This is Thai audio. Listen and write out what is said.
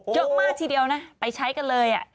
เยอะมากทีเดียวนะไปใช้กันเลย